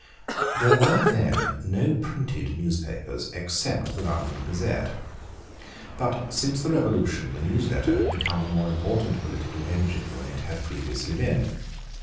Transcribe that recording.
There were then no printed newspapers except the London Gazette. But since the Revolution the newsletter had become a more important political engine than it had previously been.